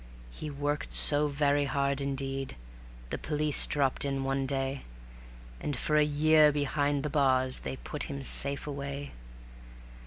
He worked so very hard indeed, the police dropped in one day, And for a year behind the bars they put him safe away.